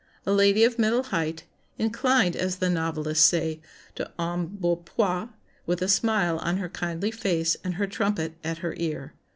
A lady of middle height, 'inclined' as the novelists say 'to embonpoint,' with a smile on her kindly face and her trumpet at her ear.